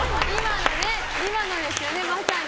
今のですよね、まさに。